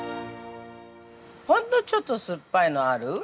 ◆ほんのちょっと酸っぱいのある？